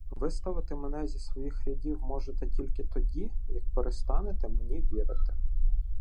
Виставити мене зі своїх рядів можете тільки тоді, як перестанете мені вірити.